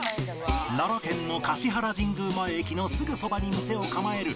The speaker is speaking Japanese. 奈良県の橿原神宮前駅のすぐそばに店を構える。